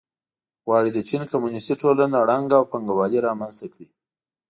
غواړي د چین کمونېستي ټولنه ړنګه او پانګوالي رامنځته کړي.